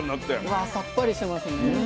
わさっぱりしてますね。